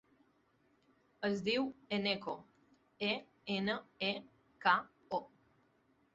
Es diu Eneko: e, ena, e, ca, o.